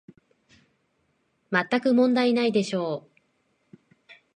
まったく問題ないでしょう